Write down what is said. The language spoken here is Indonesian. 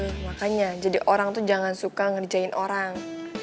iya makanya jadi orang tuh jangan suka ngerjain orang